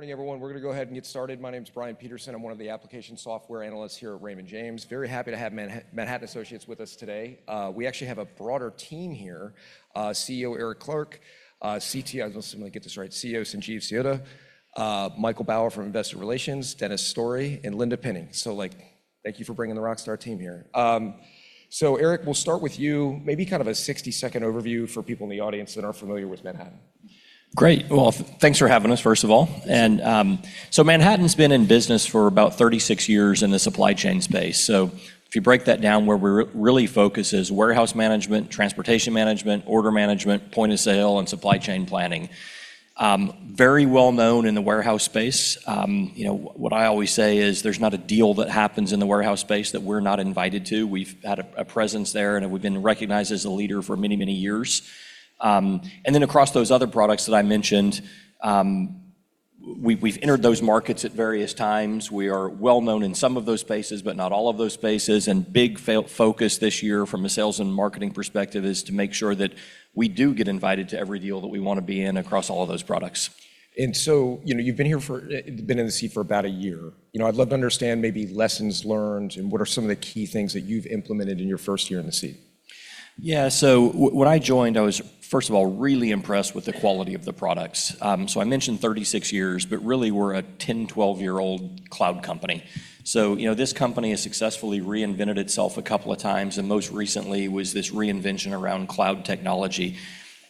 Morning, everyone. We're gonna go ahead and get started. My name's Brian Peterson. I'm one of the application software analysts here at Raymond James. Very happy to have Manhattan Associates with us today. We actually have a broader team here, CEO Eric Clark, I just wanna make sure I get this right, CTO Sanjeev Siotia, Michael Bauer from Investor Relations, Dennis Story, and Linda Pinne. Like, thank you for bringing the rockstar team here. Eric, we'll start with you. Maybe kind of a 60-second overview for people in the audience that aren't familiar with Manhattan. Great. Well, thanks for having us, first of all. Manhattan's been in business for about 36 years in the supply chain space. If you break that down, where we really focus is Warehouse Management, Transportation Management, Order Management, Point of Sale, and Supply Chain Planning. Very well known in the Warehouse space. You know, what I always say is there's not a deal that happens in the Warehouse space that we're not invited to. We've had a presence there, we've been recognized as a leader for many, many years. Across those other products that I mentioned, we've entered those markets at various times. We are well known in some of those spaces but not all of those spaces. Big focus this year from a sales and marketing perspective is to make sure that we do get invited to every deal that we wanna be in across all of those products. You know, you've been here for, been in the seat for about a year. You know, I'd love to understand maybe lessons learned and what are some of the key things that you've implemented in your first year in the seat. Yeah, when I joined, I was, first of all, really impressed with the quality of the products. I mentioned 36 years, but really, we're a 10, 12-year-old cloud company. You know, this company has successfully reinvented itself a couple of times, and most recently was this reinvention around cloud technology.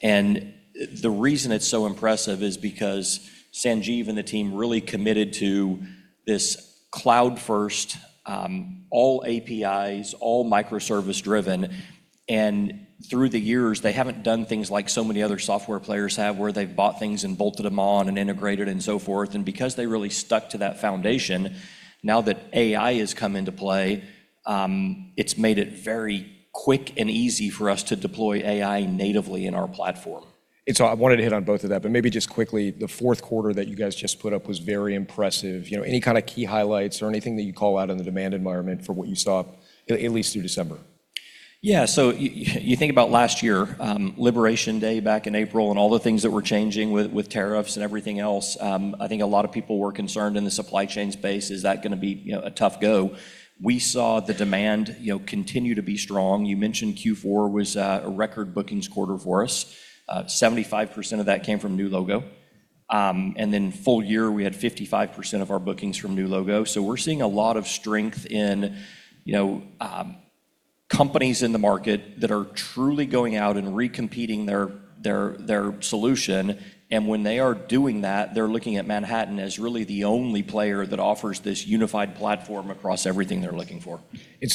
The reason it's so impressive is because Sanjeev and the team really committed to this cloud-first, all APIs, all microservice-driven. Through the years, they haven't done things like so many other software players have, where they've bought things and bolted them on and integrated and so forth. Because they really stuck to that foundation, now that AI has come into play, it's made it very quick and easy for us to deploy AI natively in our platform. I wanted to hit on both of that, but maybe just quickly, the fourth quarter that you guys just put up was very impressive. You know, any kinda key highlights or anything that you call out in the demand environment for what you saw at least through December? You think about last year, Liberation Day back in April and all the things that were changing with tariffs and everything else, I think a lot of people were concerned in the supply chain space, is that gonna be, you know, a tough go? We saw the demand, you know, continue to be strong. You mentioned Q4 was a record bookings quarter for us. 75% of that came from new logo. Full year, we had 55% of our bookings from new logo. We're seeing a lot of strength in, you know, companies in the market that are truly going out and re-competing their solution. When they are doing that, they're looking at Manhattan as really the only player that offers this unified platform across everything they're looking for.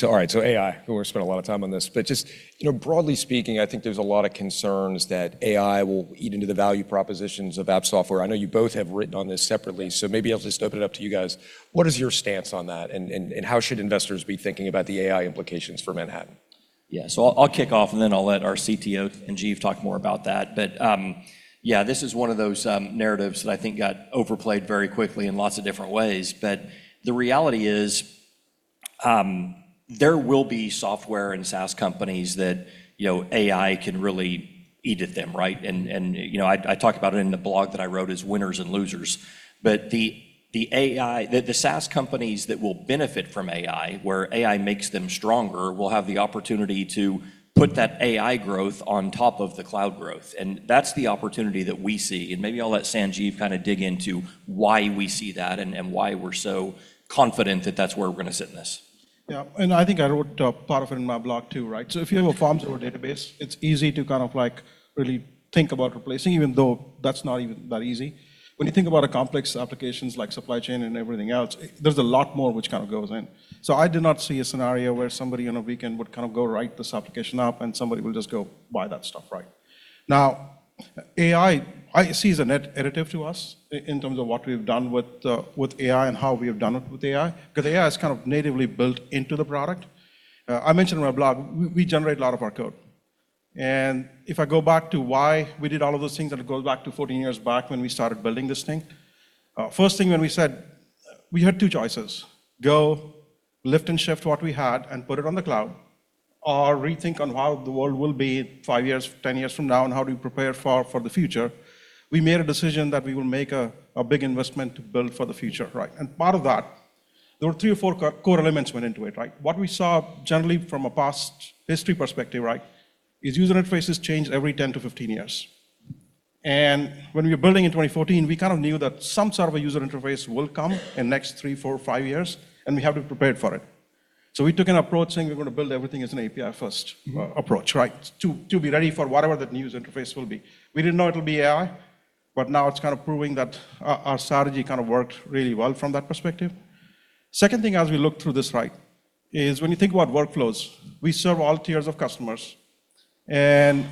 All right. AI, we're gonna spend a lot of time on this. Just, you know, broadly speaking, I think there's a lot of concerns that AI will eat into the value propositions of app software. I know you both have written on this separately, so maybe I'll just open it up to you guys. What is your stance on that, and how should investors be thinking about the AI implications for Manhattan? Yeah. I'll kick off, and then I'll let our CTO, Sanjeev, talk more about that. Yeah, this is one of those narratives that I think got overplayed very quickly in lots of different ways. The reality is, there will be software and SaaS companies that, you know, AI can really eat at them, right? You know, I talked about it in the blog that I wrote as winners and losers. The SaaS companies that will benefit from AI, where AI makes them stronger, will have the opportunity to put that AI growth on top of the cloud growth, and that's the opportunity that we see. Maybe I'll let Sanjeev kinda dig into why we see that and why we're so confident that that's where we're gonna sit in this. Yeah. I think I wrote part of it in my blog too, right? If you have a farm store database, it's easy to kind of like really think about replacing, even though that's not even that easy. When you think about a complex applications like supply chain and everything else, there's a lot more which kind of goes in. I do not see a scenario where somebody on a weekend would kind of go write this application up, and somebody will just go buy that stuff, right? Now, AI, I see as a net additive to us in terms of what we've done with AI and how we have done it with AI 'cause AI is kind of natively built into the product. I mentioned in my blog, we generate a lot of our code. If I go back to why we did all of those things, that'll go back to 14 years back when we started building this thing. First thing when we said, we had two choices: go lift and shift what we had and put it on the cloud or rethink on how the world will be five years, 10 years from now, and how do we prepare for the future. We made a decision that we will make a big investment to build for the future, right? Part of that, there were three or four core elements went into it, right? What we saw generally from a past history perspective, right, is user interfaces change every 10-15 years. When we were building in 2014, we kind of knew that some sort of a user interface will come in next three, four, five years, and we have to be prepared for it. We took an approach saying we're gonna build everything as an API-first approach, right? To be ready for whatever that new user interface will be. We didn't know it'll be AI, but now it's kind of proving that our strategy kind of worked really well from that perspective. Second thing as we look through this, right, is when you think about workflows, we serve all tiers of customers, and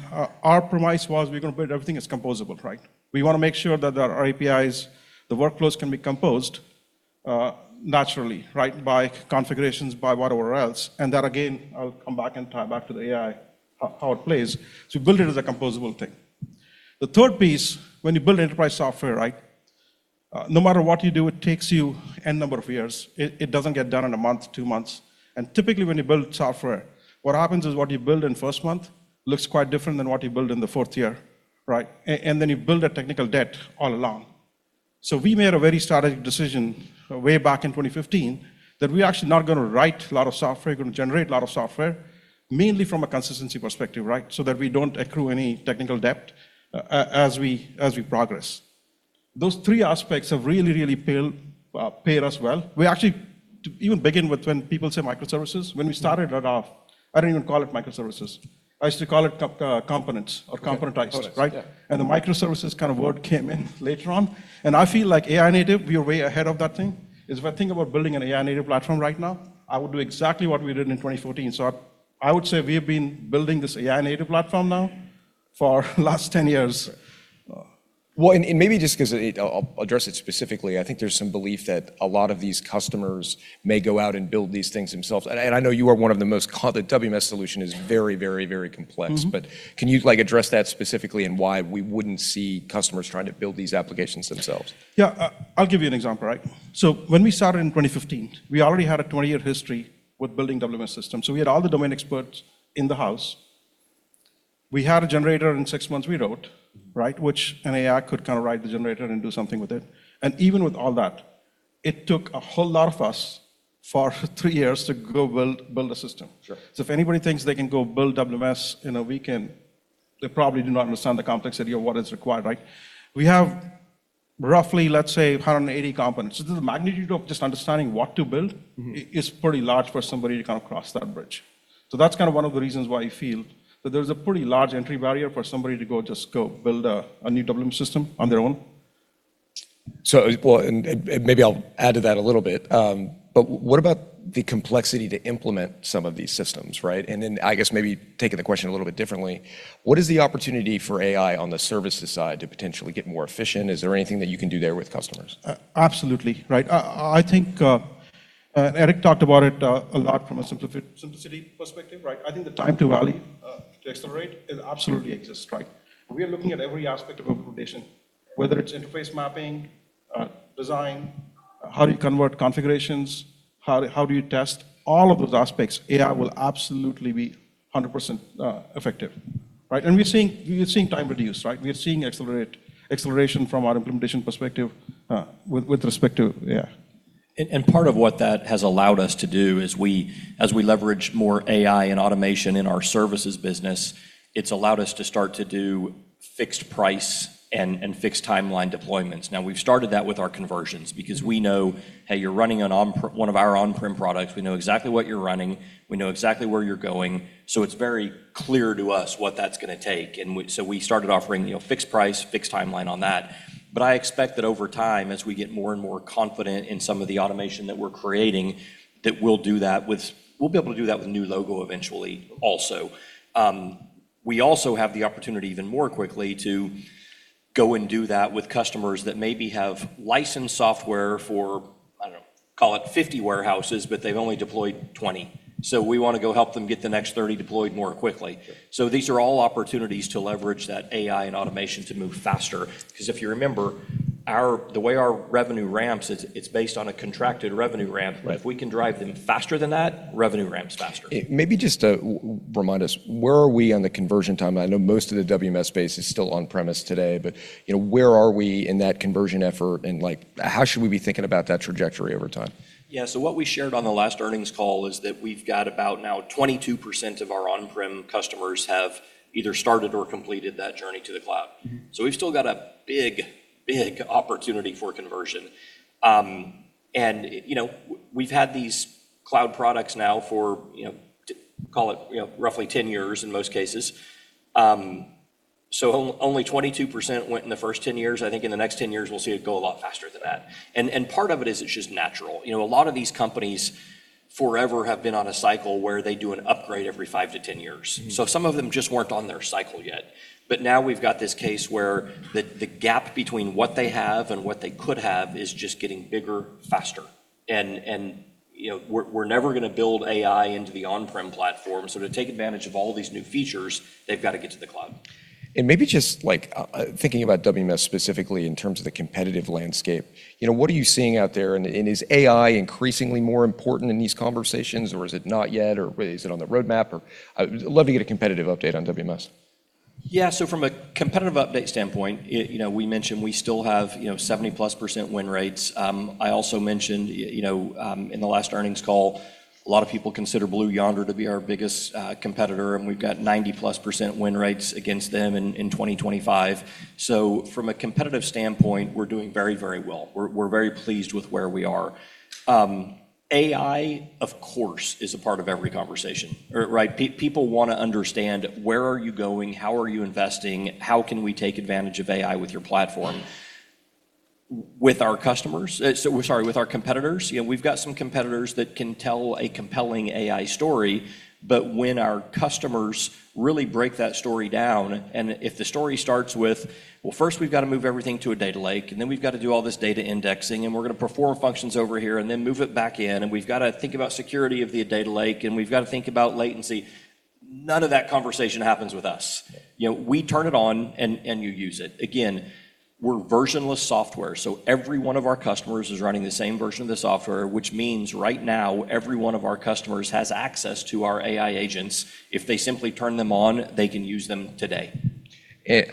our premise was we're gonna build everything as composable, right? We wanna make sure that our APIs, the workflows can be composed naturally, right? By configurations, by whatever else That, again, I'll come back and tie back to the AI, how it plays. Build it as a composable thing. The third piece, when you build enterprise software, right, no matter what you do, it takes you N number of years. It doesn't get done in one month, two months. Typically, when you build software, what happens is what you build in first month looks quite different than what you build in the fourth year, right? You build a technical debt all along. We made a very strategic decision way back in 2015 that we are actually not gonna write a lot of software, gonna generate a lot of software, mainly from a consistency perspective, right? That we don't accrue any technical debt as we, as we progress. Those three aspects have really paid us well. To even begin with, when people say microservices, when we started it off, I didn't even call it microservices. I used to call it components or componentized. Okay. Components, yeah. Right? The microservices kind of word came in later on. I feel like AI native, we are way ahead of that thing, is if I think about building an AI native platform right now, I would do exactly what we did in 2014. I would say we have been building this AI native platform now for last 10 years. Well, maybe just 'cause I'll address it specifically. I think there's some belief that a lot of these customers may go out and build these things themselves. The WMS solution is very, very, very complex. Mm-hmm. Can you, like, address that specifically and why we wouldn't see customers trying to build these applications themselves? Yeah. I'll give you an example, right? When we started in 2015, we already had a 20-year history with building WMS systems. We had all the domain experts in the house. We had a generator in six months we wrote, right? Which an AI could kinda write the generator and do something with it. Even with all that, it took a whole lot of us for three years to go build a system. Sure. If anybody thinks they can go build WMS in a weekend, they probably do not understand the complexity of what is required, right? We have roughly, let's say, 180 components. The magnitude of just understanding what to build- Mm-hmm.... is pretty large for somebody to kind of cross that bridge. That's kind of one of the reasons why I feel that there's a pretty large entry barrier for somebody to just go build a new WMS system on their own. Well, and maybe I'll add to that a little bit. What about the complexity to implement some of these systems, right? I guess maybe taking the question a little bit differently, what is the opportunity for AI on the services side to potentially get more efficient? Is there anything that you can do there with customers? Absolutely. Right. I think Eric talked about it a lot from a simplicity perspective, right? I think the time to value to accelerate it absolutely exists, right? We are looking at every aspect of implementation, whether it's interface mapping, design, how do you convert configurations, how do you test, all of those aspects, AI will absolutely be 100% effective, right? We're seeing, we are seeing time reduce, right? We are seeing acceleration from our implementation perspective with respect to, yeah. Part of what that has allowed us to do is as we leverage more AI and automation in our services business, it's allowed us to start to do fixed price and fixed timeline deployments. We've started that with our conversions because we know, hey, you're running one of our on-prem products. We know exactly what you're running. We know exactly where you're going. It's very clear to us what that's gonna take. We started offering, you know, fixed price, fixed timeline on that. I expect that over time, as we get more and more confident in some of the automation that we're creating, that we'll be able to do that with new logo eventually also. We also have the opportunity even more quickly to go and do that with customers that maybe have licensed software for, I don't know, call it 50 warehouses, but they've only deployed 20. We wanna go help them get the next 30 deployed more quickly. Yeah. These are all opportunities to leverage that AI and automation to move faster 'cause if you remember, the way our revenue ramps, it's based on a contracted revenue ramp. Right. If we can drive them faster than that, revenue ramps faster. Maybe just to remind us, where are we on the conversion timeline? I know most of the WMS space is still on-premise today, but, you know, where are we in that conversion effort, and, like, how should we be thinking about that trajectory over time? Yeah. What we shared on the last earnings call is that we've got about now 22% of our on-prem customers have either started or completed that journey to the cloud. Mm-hmm. We've still got a big opportunity for conversion. You know, we've had these cloud products now for, you know, call it, you know, roughly 10 years in most cases. On-only 22% went in the first 10 years. I think in the next 10 years, we'll see it go a lot faster than that. Part of it is it's just natural. You know, a lot of these companies forever have been on a cycle where they do an upgrade every 5-10 years. Mm-hmm. Some of them just weren't on their cycle yet. Now we've got this case where the gap between what they have and what they could have is just getting bigger faster. You know, we're never gonna build AI into the on-prem platform. To take advantage of all these new features, they've gotta get to the cloud. Maybe just, like, thinking about WMS specifically in terms of the competitive landscape, you know, what are you seeing out there, and is AI increasingly more important in these conversations, or is it not yet, or is it on the roadmap? I would love to get a competitive update on WMS. From a competitive update standpoint, you know, we mentioned we still have, you know, 70%+ win rates. I also mentioned, you know, in the last earnings call, a lot of people consider Blue Yonder to be our biggest competitor, and we've got 90%+ win rates against them in 2025. From a competitive standpoint, we're doing very, very well. We're very pleased with where we are. AI, of course, is a part of every conversation. Right? People wanna understand where are you going, how are you investing, how can we take advantage of AI with your platform? With our customers. Sorry, with our competitors, you know, we've got some competitors that can tell a compelling AI story. When our customers really break that story down, and if the story starts with, "Well, first we've gotta move everything to a data lake, and then we've gotta do all this data indexing, and we're gonna perform functions over here and then move it back in, and we've gotta think about security of the data lake, and we've gotta think about latency," none of that conversation happens with us. You know, we turn it on, and you use it. Again, we're version-less software, so every one of our customers is running the same version of the software, which means right now every one of our customers has access to our AI agents. If they simply turn them on, they can use them today.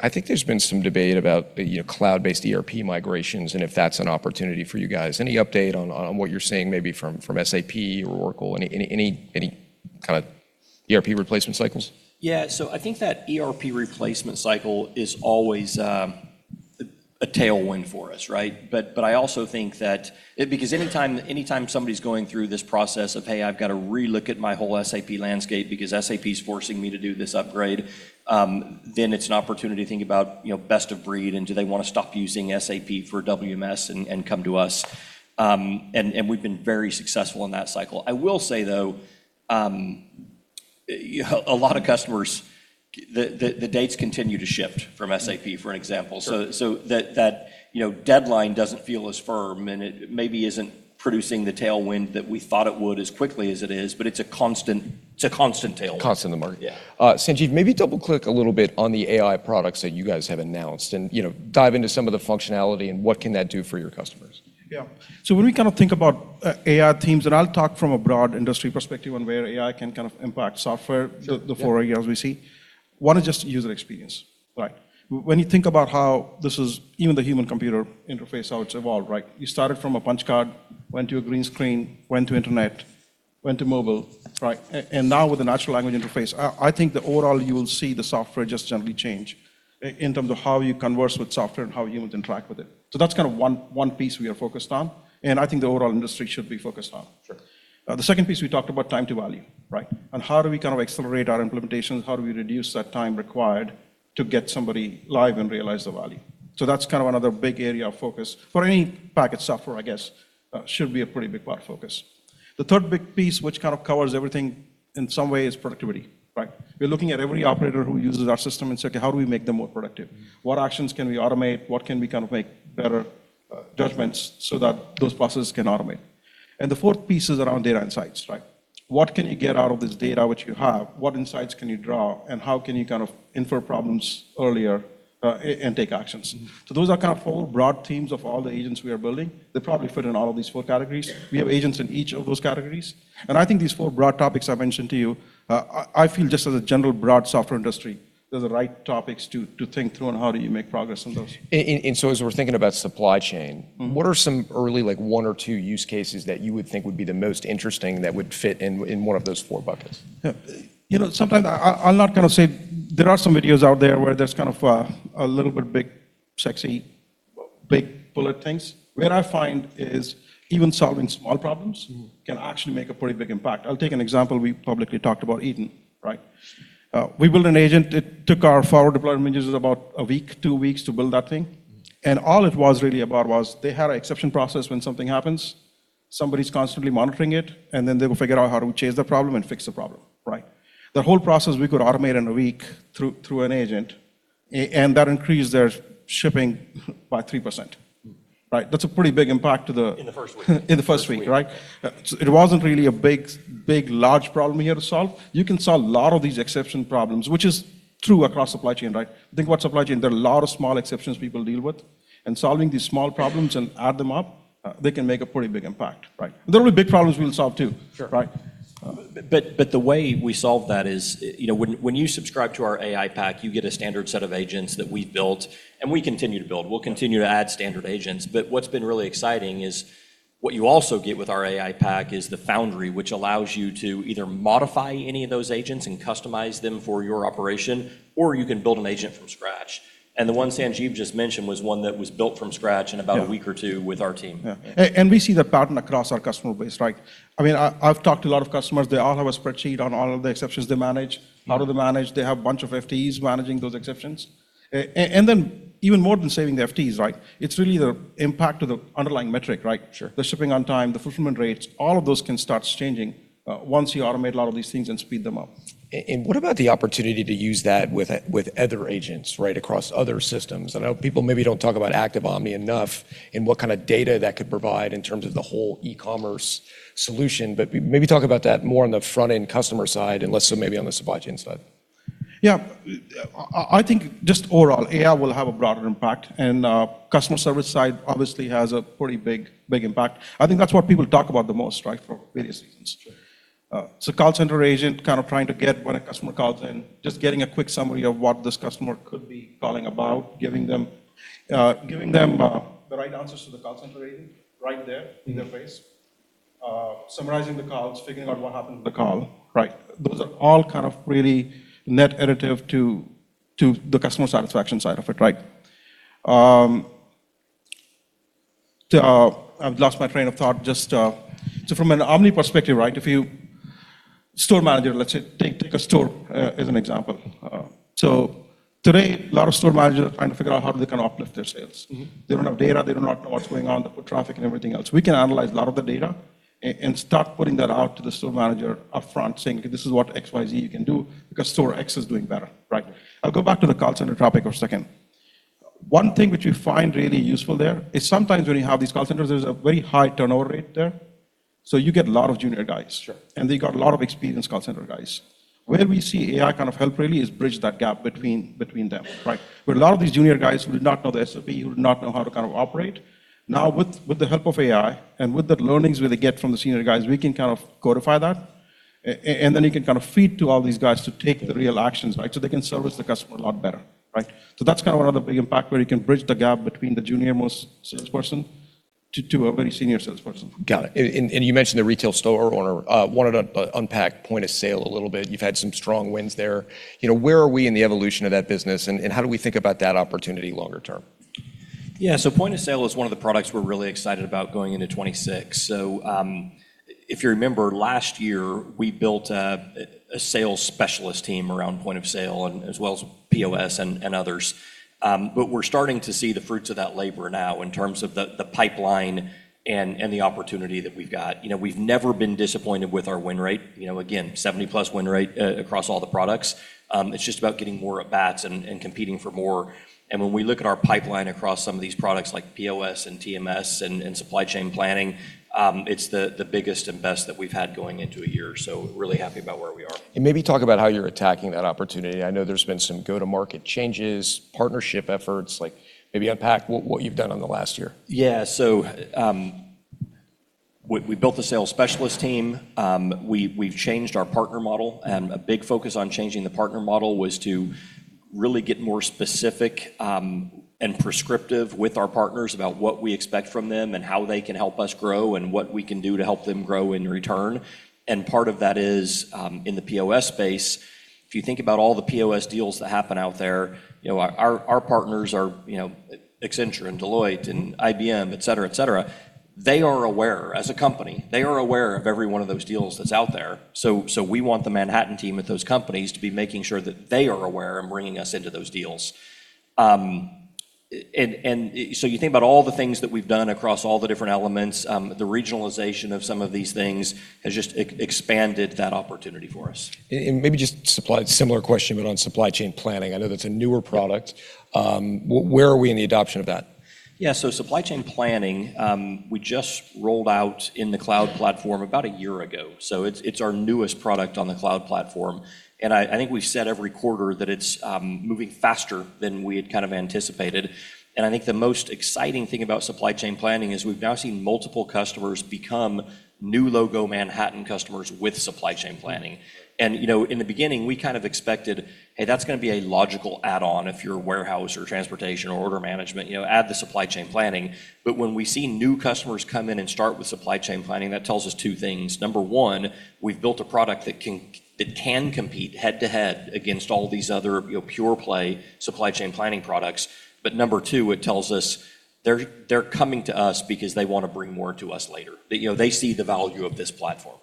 I think there's been some debate about, you know, cloud-based ERP migrations and if that's an opportunity for you guys. Any update on what you're seeing maybe from SAP or Oracle? Any kinda ERP replacement cycles? Yeah. I think that ERP replacement cycle is always a tailwind for us, right? But I also think that. Because anytime somebody's going through this process of, "Hey, I've gotta relook at my whole SAP landscape because SAP's forcing me to do this upgrade," then it's an opportunity to think about, you know, best of breed, and do they wanna stop using SAP for WMS and come to us. And we've been very successful in that cycle. I will say, though, you know, a lot of customers, the dates continue to shift from SAP, for an example. Sure. That, you know, deadline doesn't feel as firm, and it maybe isn't producing the tailwind that we thought it would as quickly as it is, but it's a constant tailwind. Constant in the market. Yeah. Sanjeev, maybe double-click a little bit on the AI products that you guys have announced and, you know, dive into some of the functionality and what can that do for your customers? Yeah. When we kind of think about AI teams, I'll talk from a broad industry perspective on where AI can kind of impact software. Sure. Yeah. The four areas we see. One is just user experience, right? When you think about how this is even the human computer interface, how it's evolved, right? You started from a punch card, went to a green screen, went to internet, went to mobile. That's right. Now with the natural language interface, I think that overall you will see the software just generally change in terms of how you converse with software and how humans interact with it. That's kind of one piece we are focused on, and I think the overall industry should be focused on. Sure. The second piece we talked about time to value, right? How do we kind of accelerate our implementations? How do we reduce that time required to get somebody live and realize the value? That's kind of another big area of focus. For any packaged software, I guess, should be a pretty big part of focus. The third big piece, which kind of covers everything in some way, is productivity, right? We're looking at every operator who uses our system and say, "Okay, how do we make them more productive? What actions can we automate? What can we kind of make better judgments so that those processes can automate?" The fourth piece is around data insights, right? What can you get out of this data which you have? What insights can you draw, and how can you kind of infer problems earlier, and take actions? Mm-hmm. Those are kind of four broad themes of all the agents we are building. They probably fit in all of these four categories. We have agents in each of those categories. I think these four broad topics I've mentioned to you, I feel just as a general broad software industry, those are the right topics to think through on how do you make progress on those. As we're thinking about supply chain. Mm-hmm. What are some early, like one or two use cases that you would think would be the most interesting that would fit in one of those four buckets? You know, sometimes I'll not kinda say there are some videos out there where there's kind of a little bit big, sexy, big bullet things. Where I find is even solving small problems. Mm-hmm. Can actually make a pretty big impact. I'll take an example. We publicly talked about Eaton, right? We built an agent. It took our forward deployment users about a week, two weeks to build that thing. Mm-hmm. All it was really about was they had an exception process when something happens. Somebody's constantly monitoring it, and then they will figure out how to chase the problem and fix the problem, right? The whole process we could automate in a week through an agent. That increased their shipping by 3%, right? That's a pretty big impact to the- In the first week. In the first week, right? First week. It wasn't really a big, large problem we had to solve. You can solve a lot of these exception problems, which is true across supply chain, right? Think about supply chain. There are a lot of small exceptions people deal with. In solving these small problems and add them up, they can make a pretty big impact, right? There will be big problems we'll solve too. Sure. Right? The way we solve that is, you know, when you subscribe to our AI Pack, you get a standard set of agents that we've built and we continue to build. We'll continue to add standard agents. What's been really exciting is what you also get with our AI Pack is the Foundry, which allows you to either modify any of those agents and customize them for your operation, or you can build an agent from scratch. The one Sanjeev just mentioned was one that was built from scratch in about- Yeah.... a week or two with our team. Yeah. We see that pattern across our customer base, right? I mean, I've talked to a lot of customers. They all have a spreadsheet on all of the exceptions they manage. Mm-hmm. How do they manage? They have a bunch of FTEs managing those exceptions. Even more than saving the FTEs, right? It's really the impact to the underlying metric, right? Sure. The shipping on time, the fulfillment rates, all of those can start changing, once you automate a lot of these things and speed them up. What about the opportunity to use that with other agents, right, across other systems? I know people maybe don't talk about Active Omni enough and what kinda data that could provide in terms of the whole e-commerce solution. Maybe talk about that more on the front-end customer side and less so maybe on the supply chain side. Yeah. I think just overall, AI will have a broader impact, and customer service side obviously has a pretty big impact. I think that's what people talk about the most, right, for various reasons. Sure. Call center agent kind of trying to get when a customer calls in, just getting a quick summary of what this customer could be calling about, giving them the right answers to the call center agent right there. Mm-hmm. in their face. Summarizing the calls, figuring out what happened with the call. Right. Those are all kind of really net additive to the customer satisfaction side of it, right? I've lost my train of thought. Just, so from an omni perspective, right. Store manager, let's say, take a store as an example. Today, a lot of store managers are trying to figure out how they can uplift their sales. Mm-hmm. They don't have data. They do not know what's going on, the foot traffic and everything else. We can analyze a lot of the data and start putting that out to the store manager upfront, saying, "This is what XYZ you can do because store X is doing better," right? I'll go back to the call center topic for a second. One thing which we find really useful there is sometimes when you have these call centers, there's a very high turnover rate there. You get a lot of junior guys. Sure. They got a lot of experienced call center guys. Where we see AI kind of help really is bridge that gap between them. Right. Where a lot of these junior guys who did not know the SOP, who did not know how to kind of operate. Now with the help of AI and with the learnings where they get from the senior guys, we can kind of codify that. You can kind of feed to all these guys to take the real actions, right, so they can service the customer a lot better, right. That's kind of one of the big impact where you can bridge the gap between the junior most salesperson to a very senior salesperson. Got it. You mentioned the retail store owner. wanted to unpack Point of Sale a little bit. You've had some strong wins there. You know, where are we in the evolution of that business, and how do we think about that opportunity longer term? Point of Sale is one of the products we're really excited about going into 2026. If you remember last year, we built a sales specialist team around Point of Sale as well as POS and others. We're starting to see the fruits of that labor now in terms of the pipeline and the opportunity that we've got. You know, we've never been disappointed with our win rate. You know, again, 70+ win rate across all the products. It's just about getting more at bats and competing for more. When we look at our pipeline across some of these products like POS and TMS and Supply Chain Planning, it's the biggest and best that we've had going into a year. Really happy about where we are. Maybe talk about how you're attacking that opportunity. I know there's been some go-to-market changes, partnership efforts, like maybe unpack what you've done on the last year? Yeah. We, we built a sales specialist team. We, we've changed our partner model, and a big focus on changing the partner model was to really get more specific and prescriptive with our partners about what we expect from them and how they can help us grow and what we can do to help them grow in return. Part of that is in the POS space, if you think about all the POS deals that happen out there, you know, our partners are, you know, Accenture and Deloitte and IBM, et cetera, et cetera. They are aware, as a company, they are aware of every one of those deals that's out there. We want the Manhattan team at those companies to be making sure that they are aware and bringing us into those deals. You think about all the things that we've done across all the different elements, the regionalization of some of these things has just expanded that opportunity for us. Maybe just similar question, but on Supply Chain Planning. I know that's a newer product. Where are we in the adoption of that? Yeah. Supply Chain Planning, we just rolled out in the cloud platform about a year ago. It's our newest product on the cloud platform. I think we've said every quarter that it's moving faster than we had kind of anticipated. I think the most exciting thing about Supply Chain Planning is we've now seen multiple customers become new logo Manhattan customers with Supply Chain Planning. You know, in the beginning, we kind of expected, hey, that's gonna be a logical add-on if you're a warehouse or transportation or order management, you know, add the Supply Chain Planning. When we see new customers come in and start with Supply Chain Planning, that tells us two things. Number one, we've built a product that can compete head to head against all these other, you know, pure play supply chain planning products. Number two, it tells us they're coming to us because they wanna bring more to us later. You know, they see the value of this platform.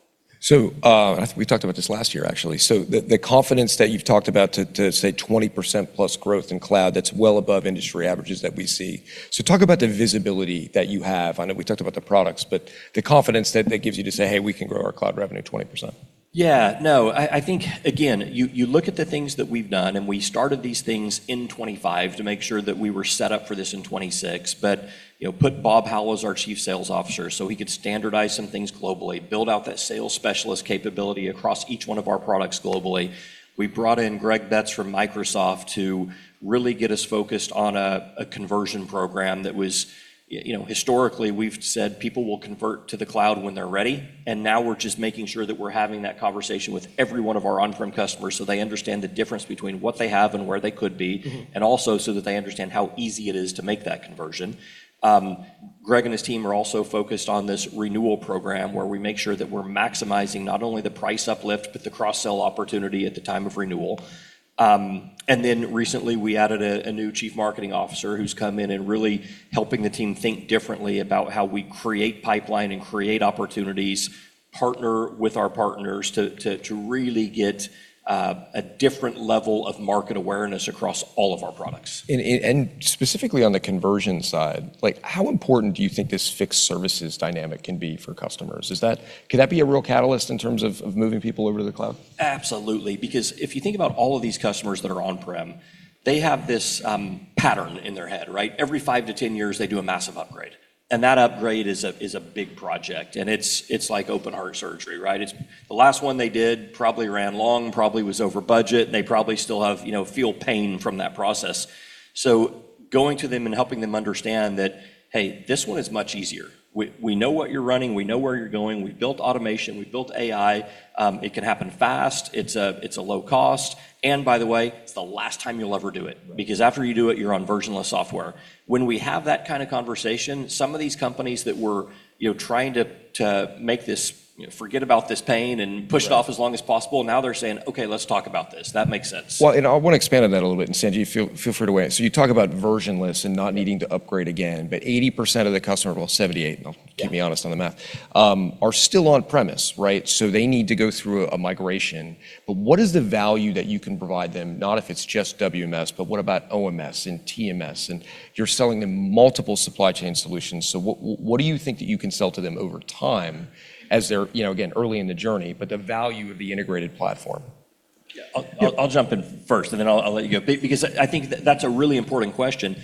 I think we talked about this last year actually. The confidence that you've talked about to say 20%+ growth in cloud, that's well above industry averages that we see. Talk about the visibility that you have. I know we talked about the products, but the confidence that that gives you to say, "Hey, we can grow our cloud revenue 20%. Yeah. No, I think again, you look at the things that we've done. We started these things in 2025 to make sure that we were set up for this in 2026. You know, put Bob Howell as our Chief Sales Officer so he could standardize some things globally, build out that sales specialist capability across each one of our products globally. We brought in Greg Betz from Microsoft to really get us focused on a conversion program that was... You know, historically, we've said people will convert to the cloud when they're ready. Now we're just making sure that we're having that conversation with every one of our on-prem customers, so they understand the difference between what they have and where they could be- Mm-hmm.... also so that they understand how easy it is to make that conversion. Greg and his team are also focused on this renewal program where we make sure that we're maximizing not only the price uplift, but the cross-sell opportunity at the time of renewal. recently, we added a new chief marketing officer who's come in and really helping the team think differently about how we create pipeline and create opportunities, partner with our partners to really get a different level of market awareness across all of our products. Specifically on the conversion side, like how important do you think this fixed services dynamic can be for customers? Could that be a real catalyst in terms of moving people over to the cloud? Absolutely. If you think about all of these customers that are on-prem, they have this pattern in their head, right? Every five to 10 years, they do a massive upgrade, and that upgrade is a big project, and it's like open heart surgery, right? It's the last one they did probably ran long, probably was over budget, and they probably still have, you know, feel pain from that process. Going to them and helping them understand that, "Hey, this one is much easier. We know what you're running, we know where you're going. We built automation, we built AI. It can happen fast. It's a low cost. By the way, it's the last time you'll ever do it because after you do it, you're on version-less software." When we have that kind of conversation, some of these companies that were, you know, trying to make this, you know, forget about this pain and push it off as long as possible, now they're saying, "Okay, let's talk about this. That makes sense. Well, I wanna expand on that a little bit. Sanjeev, feel free to weigh in. You talk about version-less and not needing to upgrade again, but 80% of the customer, well, 78, I'll keep me honest on the math, are still on premise, right? They need to go through a migration, but what is the value that you can provide them? Not if it's just WMS, but what about OMS and TMS? You're selling them multiple supply chain solutions, so what do you think that you can sell to them over time as they're, you know, again, early in the journey, but the value of the integrated platform? Yeah, I'll jump in first, and then I'll let you go. Because I think that that's a really important question.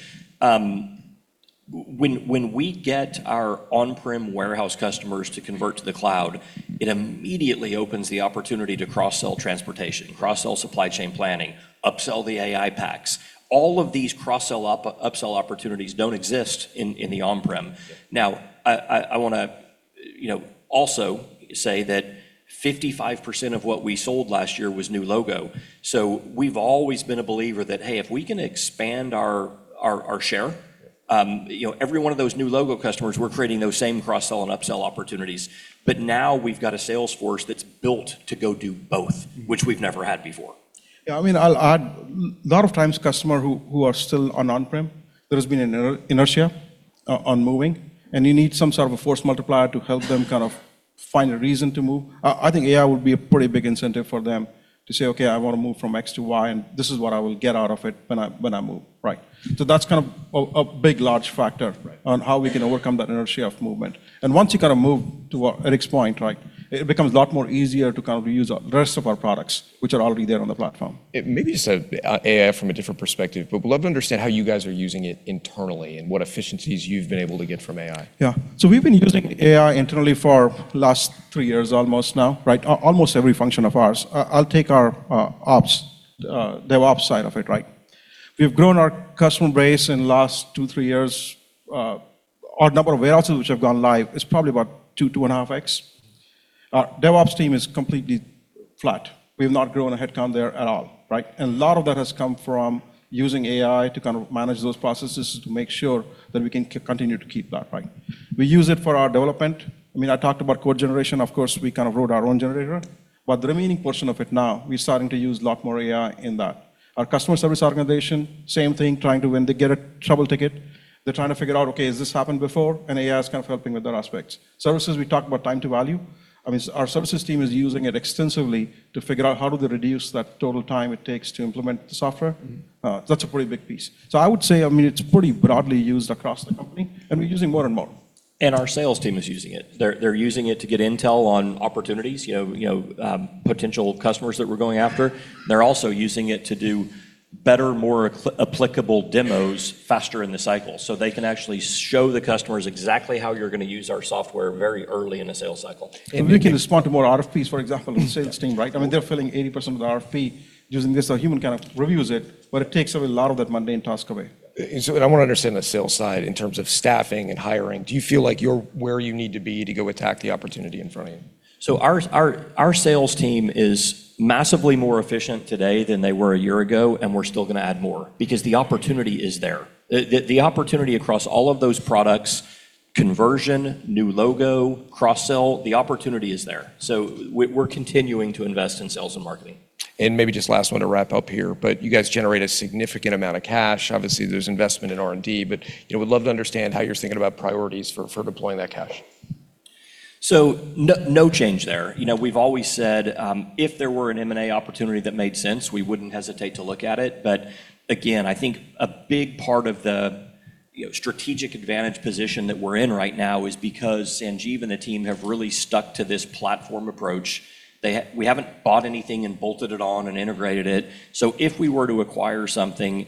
When we get our on-prem warehouse customers to convert to the cloud, it immediately opens the opportunity to cross-sell transportation, cross-sell Supply Chain Planning, upsell the AI Packs. All of these cross-sell/upsell opportunities don't exist in the on-prem. Now, I wanna, you know, also say that 55% of what we sold last year was new logo. We've always been a believer that, hey, if we can expand our share, you know, every one of those new logo customers, we're creating those same cross-sell and upsell opportunities. Now we've got a sales force that's built to go do both, which we've never had before. Yeah, I mean, I'll add, lot of times customer who are still on on-prem, there has been an inertia on moving, and you need some sort of a force multiplier to help them kind of find a reason to move. I think AI would be a pretty big incentive for them to say, "Okay, I wanna move from X to Y, and this is what I will get out of it when I move," right? That's kind of a big, large factor- Right.... on how we can overcome that inertia of movement. Once you kind of move, to Eric's point, right, it becomes a lot more easier to kind of use our rest of our products which are already there on the platform. It maybe just a AI from a different perspective, but would love to understand how you guys are using it internally and what efficiencies you've been able to get from AI. We've been using AI internally for last two years almost now, right? Almost every function of ours. I'll take our ops, DevOps side of it, right? We've grown our customer base in the last two, three years. Our number of warehouses which have gone live is probably about 2.5x. Our DevOps team is completely flat. We've not grown a headcount there at all, right? A lot of that has come from using AI to kind of manage those processes to make sure that we can continue to keep that, right? We use it for our development. I mean, I talked about code generation. Of course, we kind of wrote our own generator. The remaining portion of it now, we're starting to use a lot more AI in that. Our customer service organization, same thing, when they get a trouble ticket, they're trying to figure out, "Okay, has this happened before?" AI is kind of helping with that aspect. Services, we talked about time to value. I mean, our services team is using it extensively to figure out how do they reduce that total time it takes to implement the software. Mm-hmm. That's a pretty big piece. I would say, I mean, it's pretty broadly used across the company, and we're using more and more. Our sales team is using it. They're using it to get intel on opportunities, you know, you know, potential customers that we're going after. They're also using it to do better, more applicable demos faster in the cycle, so they can actually show the customers exactly how you're gonna use our software very early in the sales cycle. We can respond to more RFPs, for example, in the sales team, right? I mean, they're filling 80% of the RFP using this. A human kind of reviews it, but it takes a lot of that mundane task away. I wanna understand the sales side in terms of staffing and hiring. Do you feel like you're where you need to be to go attack the opportunity in front of you? Our sales team is massively more efficient today than they were a year ago, and we're still gonna add more because the opportunity is there. The opportunity across all of those products, conversion, new logo, cross-sell, the opportunity is there. We're continuing to invest in sales and marketing. Maybe just last one to wrap up here, but you guys generate a significant amount of cash. Obviously, there's investment in R&D, but, you know, would love to understand how you're thinking about priorities for deploying that cash. No, no change there. You know, we've always said, if there were an M&A opportunity that made sense, we wouldn't hesitate to look at it. Again, I think a big part of the, you know, strategic advantage position that we're in right now is because Sanjeev and the team have really stuck to this platform approach. We haven't bought anything and bolted it on and integrated it. If we were to acquire something,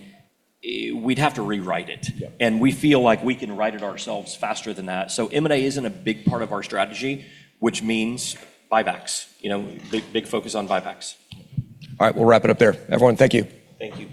we'd have to rewrite it. Yeah. We feel like we can write it ourselves faster than that. M&A isn't a big part of our strategy, which means buybacks. You know, big focus on buybacks. All right, we'll wrap it up there. Everyone, thank you. Thank you.